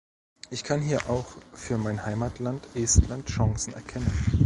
Ich kann hier auch für mein Heimatland Estland Chancen erkennen.